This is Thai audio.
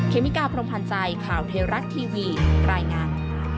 เมกาพรมพันธ์ใจข่าวเทวรัฐทีวีรายงาน